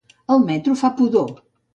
El metro fa pudor.